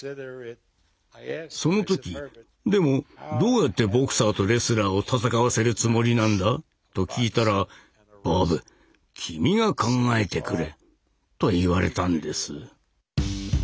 その時「でもどうやってボクサーとレスラーを戦わせるつもりなんだ？」と聞いたら「ボブ君が考えてくれ」と言われたんです。